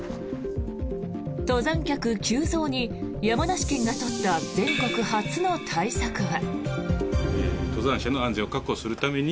登山客急増に山梨県が取った全国初の対策は。